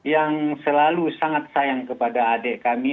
yang selalu sangat sayang kepada adik kami